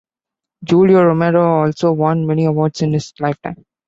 Julio Romero also won many awards in his lifetime.